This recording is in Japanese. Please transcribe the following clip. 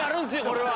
これは。